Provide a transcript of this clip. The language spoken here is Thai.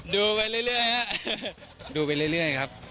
ดูไปเรื่อยครับ